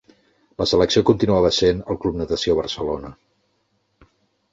La selecció continuava essent el Club Natació Barcelona.